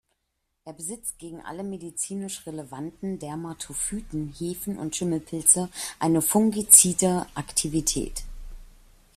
Es besitzt gegen alle medizinisch relevanten Dermatophyten, Hefen und Schimmelpilze eine fungizide Aktivität.